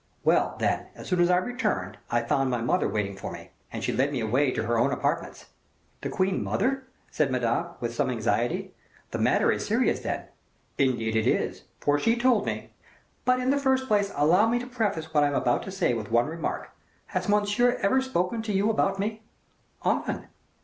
"Well, then, as soon as I returned, I found my mother waiting for me, and she led me away to her own apartments." "The queen mother?" said Madame, with some anxiety, "the matter is serious then." "Indeed it is, for she told me... but, in the first place, allow me to preface what I have to say with one remark. Has Monsieur ever spoken to you about me?" "Often."